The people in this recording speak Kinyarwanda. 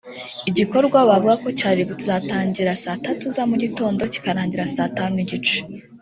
igikorwa bavugaga ko cyari kuzatangira saa tatu za mu gitondo kikarangira saa tatu n’igice